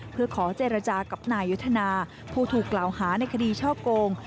เพื่อขอเจรจากับนายยุทธนาผู้ถูกกล่าวหาในคดีช่อโกง